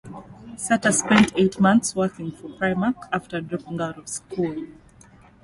Sattar spent eight months working for Primark after dropping out of school.